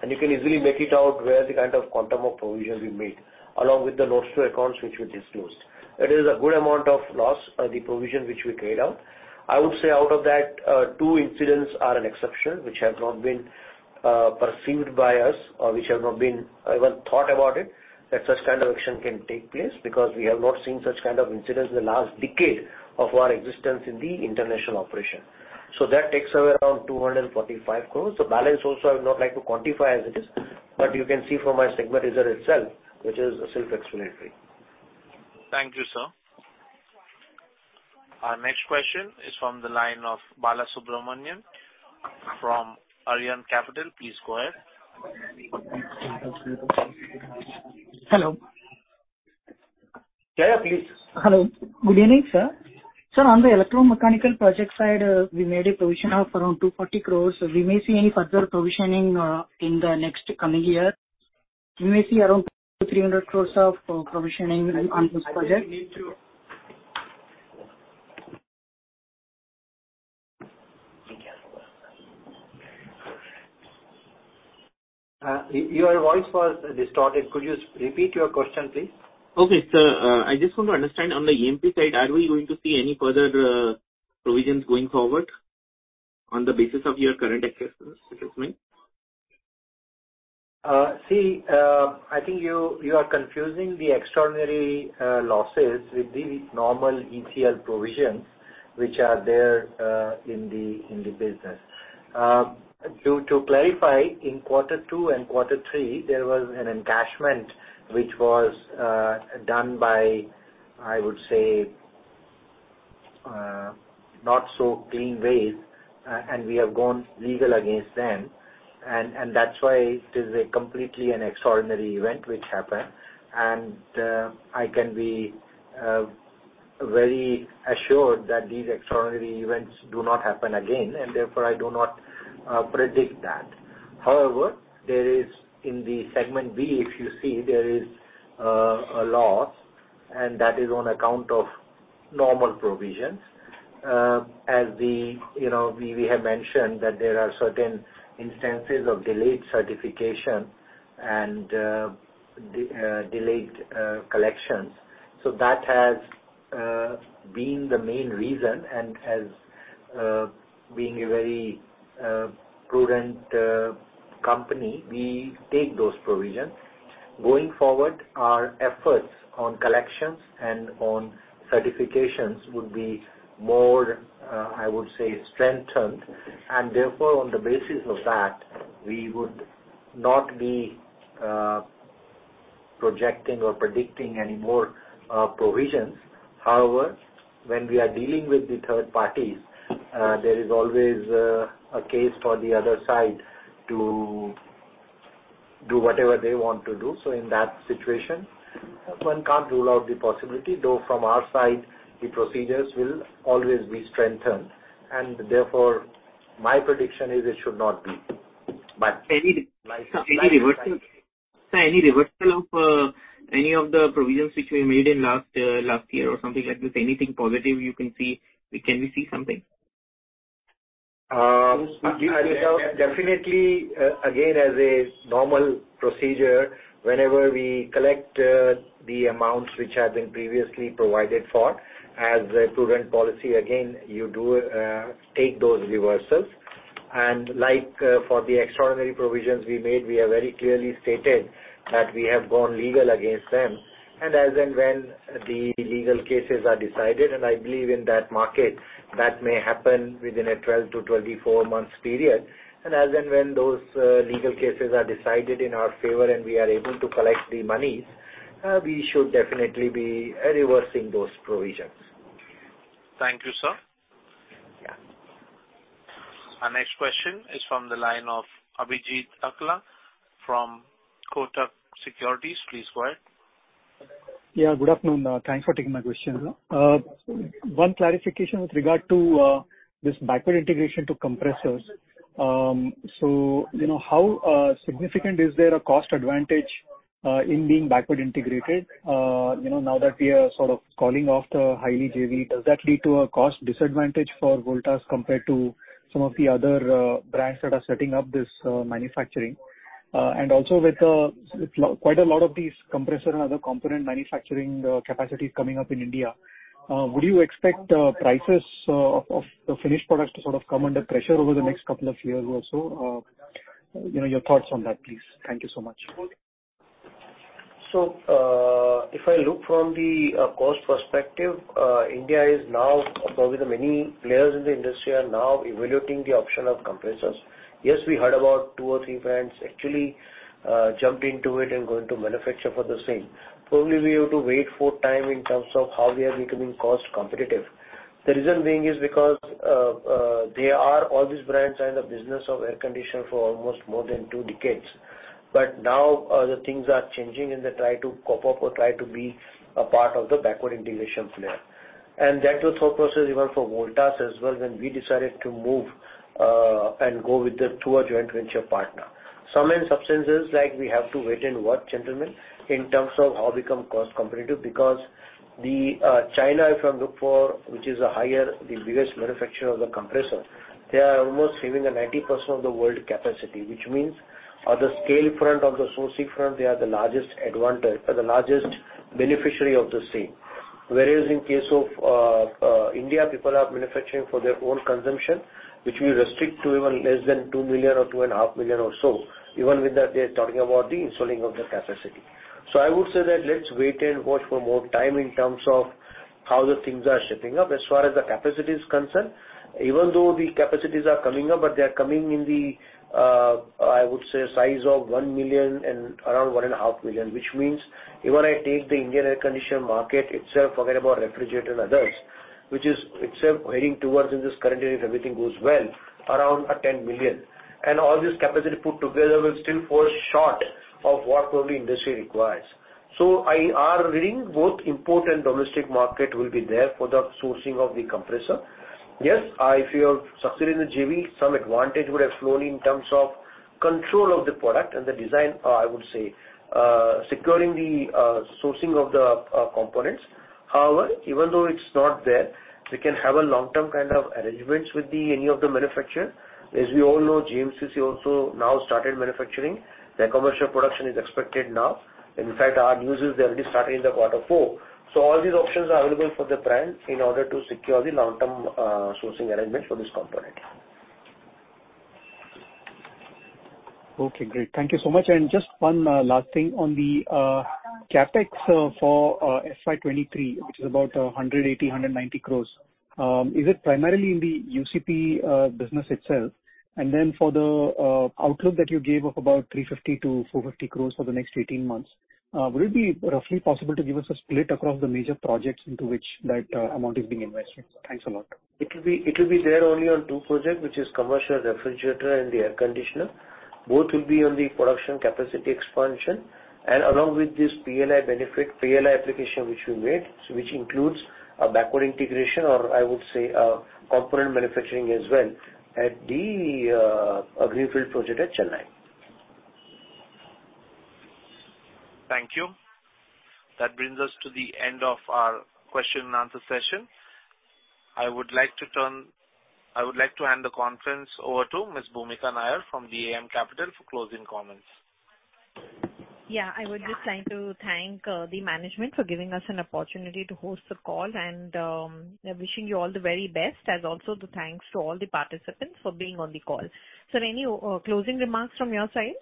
You can easily make it out where the kind of quantum of provision we made, along with the notes to accounts which we disclosed. It is a good amount of loss, the provision which we carried out. I would say out of that, two incidents are an exception, which have not been perceived by us or which have not been even thought about it, that such kind of action can take place, because we have not seen such kind of incidents in the last decade of our existence in the international operation. That takes away around 245 crores. The balance also I would not like to quantify as it is, but you can see from my segment result itself, which is self-explanatory.
Thank you, sir. Our next question is from the line of Bala Subramaniam from Aryan Capital. Please go ahead.
Hello.
Yeah, please.
Hello. Good evening, sir. Sir, on the electromechanical project side, we made a provision of around 240 crores. We may see any further provisioning, in the next coming year. We may see around 200 crores-300 crores of provisioning on this project.
I think you need to... your voice was distorted. Could you repeat your question, please?
Okay, sir. I just want to understand on the EMP side, are we going to see any further provisions going forward on the basis of your current assessments, if you think?
See, I think you are confusing the extraordinary losses with the normal ECL provisions which are there in the business. To clarify, in quarter two and quarter three, there was an encashment which was done by, I would say, not so clean ways, and we have gone legal against them. That's why it is a completely an extraordinary event which happened. I can be very assured that these extraordinary events do not happen again, and therefore I do not predict that. However, there is in the segment B, if you see, there is a loss, and that is on account of normal provisions. As we, you know, we have mentioned that there are certain instances of delayed certification and de-delayed collections. That has been the main reason. As being a very prudent company, we take those provisions. Going forward, our efforts on collections and on certifications would be more, I would say strengthened. Therefore, on the basis of that, we would not be projecting or predicting any more provisions. However, when we are dealing with the third parties, there is always a case for the other side to do whatever they want to do. In that situation, one can't rule out the possibility, though from our side, the procedures will always be strengthened. Therefore, my prediction is it should not be.
Sir, any reversal of any of the provisions which we made in last year or something like this, anything positive you can see? Can we see something?
Definitely, again, as a normal procedure, whenever we collect, the amounts which have been previously provided for, as a prudent policy, again, you do, take those reversals. Like, for the extraordinary provisions we made, we have very clearly stated that we have gone legal against them. As and when the legal cases are decided, and I believe in that market, that may happen within a 12 to 24 months period. As and when those legal cases are decided in our favor and we are able to collect the monies, we should definitely be reversing those provisions.
Thank you, sir.
Yeah.
Our next question is from the line of Abhijeet Sakhare from Kotak Securities. Please go ahead.
Yeah, good afternoon. Thanks for taking my question, sir. One clarification with regard to this backward integration to compressors. So you know, how significant is there a cost advantage in being backward integrated? You know, now that we are sort of calling off the Haier JV, does that lead to a cost disadvantage for Voltas compared to some of the other brands that are setting up this manufacturing? Also with quite a lot of these compressor and other component manufacturing capacity coming up in India, would you expect prices of the finished products to sort of come under pressure over the next couple of years or so? You know, your thoughts on that, please. Thank you so much.
If I look from the cost perspective, India is now, probably the many players in the industry are now evaluating the option of compressors. Yes, we heard about two or three brands actually, jumped into it and going to manufacture for the same. Probably, we have to wait for time in terms of how we are becoming cost competitive. The reason being is because they are all these brands are in the business of air conditioner for almost more than two decades. Now, the things are changing and they try to cope up or try to be a part of the backward integration player. That was whole process even for Voltas as well, when we decided to move and go with the, through our joint venture partner. Sum and substances, like we have to wait and watch, gentlemen, in terms of how become cost competitive because China, if I look for, which is a higher, the biggest manufacturer of the compressor, they are almost having the 90% of the world capacity, which means on the scale front, on the sourcing front, they are the largest advantage or the largest beneficiary of the same. Whereas in case of India, people are manufacturing for their own consumption, which we restrict to even less than 2 million or 2.5 million or so. Even with that, they're talking about the installing of the capacity. I would say that let's wait and watch for more time in terms of how the things are shaping up. As far as the capacity is concerned, even though the capacities are coming up, but they are coming in the, I would say size of 1 million and around 1.5 million, which means even I take the Indian air conditioner market itself, forget about refrigerator and others, which is itself heading towards in this current year, if everything goes well, around 10 million. All this capacity put together will still fall short of what only industry requires. I are reading both import and domestic market will be there for the sourcing of the compressor. If you have succeeded in the JV, some advantage would have flown in terms of control of the product and the design, I would say, securing the sourcing of the components. However, even though it's not there, we can have a long-term kind of arrangements with the any of the manufacturer. As we all know, GMCC also now started manufacturing. Their commercial production is expected now. In fact, our news is they already started in the quarter four. All these options are available for the brand in order to secure the long-term, sourcing arrangement for this component.
Okay, great. Thank you so much. Just one last thing on the CapEx for FY 2023, which is about 180 crores-190 crores. Is it primarily in the UCP business itself? Then for the outlook that you gave of about 350 crores-450 crores for the next 18 months, will it be roughly possible to give us a split across the major projects into which that amount is being invested? Thanks a lot.
It will be there only on two project, which is commercial refrigerator and the air conditioner. Both will be on the production capacity expansion. Along with this PLI benefit, PLI application which we made, which includes a backward integration, or I would say a component manufacturing as well at the greenfield project at Chennai.
Thank you. That brings us to the end of our question and answer session. I would like to hand the conference over to Ms. Bhoomika Nair from DAM Capital for closing comments.
Yeah. I would just like to thank the management for giving us an opportunity to host the call and, wishing you all the very best, and also the thanks to all the participants for being on the call. Sir, any closing remarks from your side?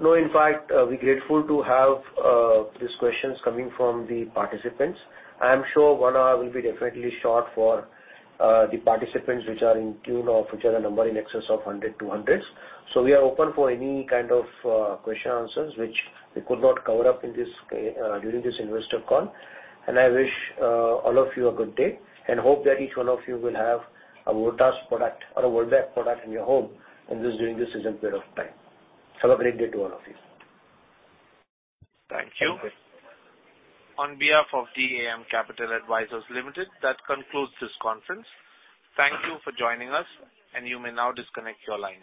No. In fact, we're grateful to have these questions coming from the participants. I am sure one hour will be definitely short for the participants which are in tune of, which are a number in excess of 100 to hundreds. We are open for any kind of question, answers which we could not cover up during this investor call. I wish all of you a good day, and hope that each one of you will have a Voltas product or a Voltas product in your home in this, during this season period of time. Have a great day to all of you.
Thank you. On behalf of DAM Capital Advisors Limited, that concludes this conference. Thank you for joining us. You may now disconnect your line.